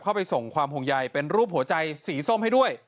เข้าไปส่งความห่วงใยเป็นรูปหัวใจสีส้มให้ด้วย